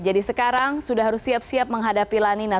jadi sekarang sudah harus siap siap menghadapi la nina